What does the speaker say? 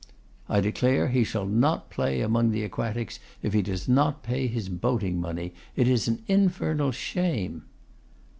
'I declare he shall not play among the Aquatics if he does not pay his boating money. It is an infernal shame.